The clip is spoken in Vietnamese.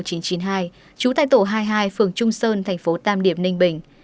trú tại tổ hai mươi hai phường trung sơn thành phố tam điệp ninh bình